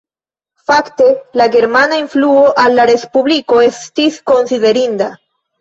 Fakte la germana influo al la respubliko estis konsiderinda.